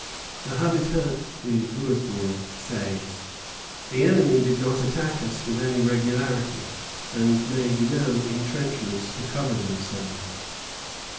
The Habitant de Louisbourg says: "The enemy did not attack us with any regularity, and made no intrenchments to cover themselves."